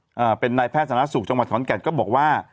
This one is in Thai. อ่าเป็นนายแพทย์สนับสูตรจังหวัดของขอนแก่นก็บอกว่า